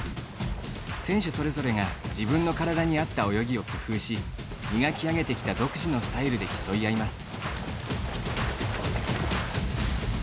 選手それぞれが自分の体に合った泳ぎを工夫し磨き上げてきた独自のスタイルで競い合います。